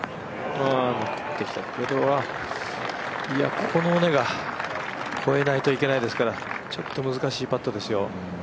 ここの尾根を越えないといけないですからちょっと難しいパットですよ。